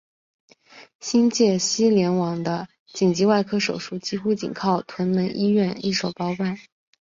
新界西联网的紧急外科手术几乎仅靠屯门医院一手包办。